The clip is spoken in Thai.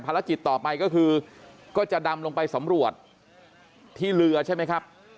ภารกิจต่อไปก็คือก็จะดำลงไปสำรวจที่เรือใช่ไหมครับ